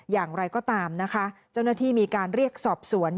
อย่างไรก็ตามนะคะเจ้าหน้าที่มีการเรียกสอบสวน